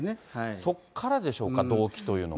そこからでしょうか、動機というのは。